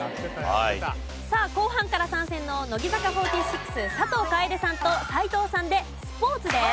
さあ後半から参戦の乃木坂４６佐藤楓さんと斎藤さんでスポーツです。